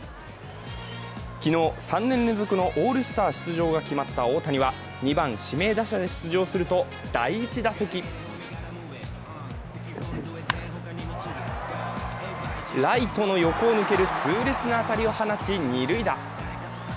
昨日、３年連続のオールスター出場が決まった大谷は、２番・指名打者で出場すると第１打席ライトの横を抜ける痛烈な当たりを放ち二塁打。